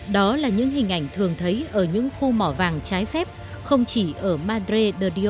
đó là những hình ảnh thường thấy ở những khu mỏ vàng trái phép không chỉ ở madreio